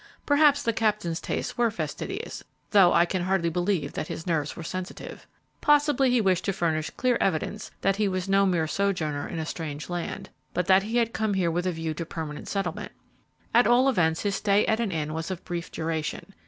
Perhaps the Captain's tastes were fastidious, though I can hardly believes that his nerves were sensitive. Possibly he wished to furnish clear evidence that he was no mere sojourner in a strange land, but that he had come here with a view to permanent settlement. At all events his stay at an inn was of brief duration.